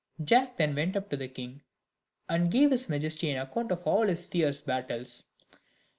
Jack then went up to the king, and gave his majesty an account of all his fierce battles.